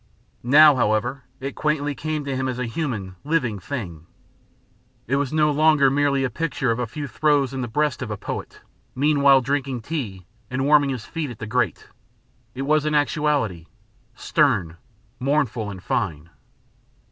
Now, however, it quaintly came to him as a human, living thing. It was no longer merely a picture of a few throes in the breast of a poet, meanwhile drinking tea and warming his feet at the grate; it was an actuality stern, mournful, and fine.